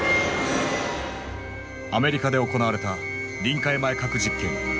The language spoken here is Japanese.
アメリカで行われた臨界前核実験。